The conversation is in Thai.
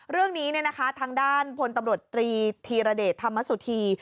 เรื่องนี้ทางด้านพลตำรวจตรีธีรเดชธรรมสุธี